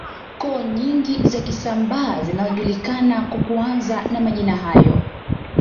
Koo nyingi za Kisambaa zinajulikana kwa kuanza na majina hayo